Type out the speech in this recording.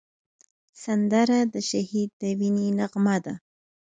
سندره د شهید د وینې نغمه ده